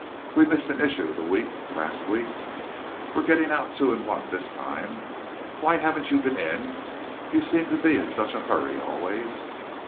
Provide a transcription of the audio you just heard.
We missed an issue the week last week we're getting out two in one this time. Why haven't you been in? you seem to be in such a hurry always."